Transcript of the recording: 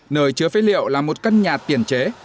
nơi chứa phế liệu là một căn nhà tiền chế